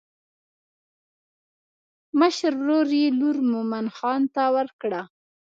مشر ورور یې لور مومن خان ته ورکړه.